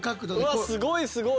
うわっすごいすごい！